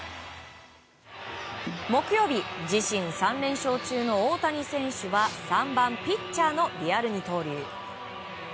木曜日自身３連勝中の大谷選手は３番ピッチャーのリアル二刀流。